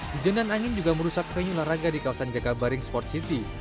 hujan dan angin juga merusak venue olahraga di kawasan jakabaring sport city